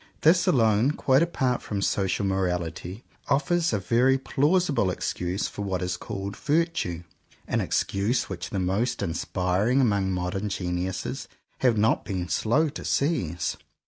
This alone, quite apart from social morality, ofi^ers a very plausible excuse for what is called "virtue," an excuse which the 168 JOHN COWPER POWYS most inspiring among modern geniuses have not been slow to seize.